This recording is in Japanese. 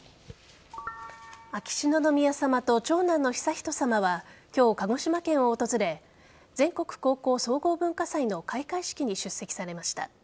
秋篠宮さまと長男の悠仁さまは今日、鹿児島県を訪れ全国高校総合文化祭の開会式に出席されました。